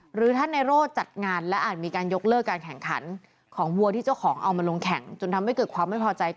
หรือท่านในโร่จัดงานและอาจมีการยกเลิกการแข่งขันของวัวที่เจ้าของเอามาลงแข่งจนทำให้เกิดความไม่พอใจ